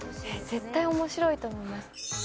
絶対面白いと思います。